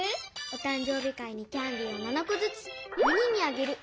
「おたん生日会にキャンディーを７こずつ４人にあげる。